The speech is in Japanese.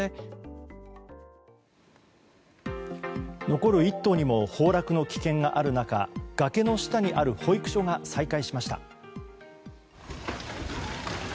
残る１棟にも崩落の危険がある中崖の下にある保育所が再開しました。